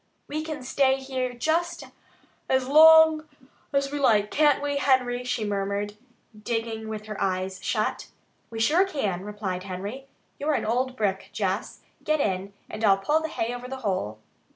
"We can stay here just as long as we like, can't we, Henry?" she murmured, digging with her eyes shut. "We sure can," replied Henry. "You're an old brick, Jess. Get in, and I'll pull the hay over the hole."